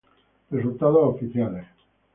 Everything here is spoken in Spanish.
Resultados oficiales.